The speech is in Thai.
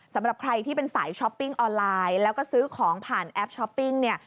สำหรับใครที่เป็นสายช้อปปิ้งออนไลน์แล้วก็ซื้อของผ่านแอปช้อปปิ้งเนี่ย